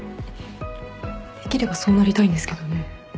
「できればそうなりたいんですけどね」